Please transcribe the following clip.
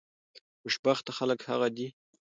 خوشبخته خلک هغه دي